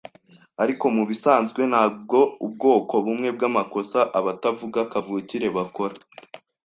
ariko mubisanzwe ntabwo ubwoko bumwe bwamakosa abatavuga kavukire bakora.